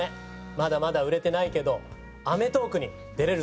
まだまだ売れてないけど『アメトーーク』に出れるぞ。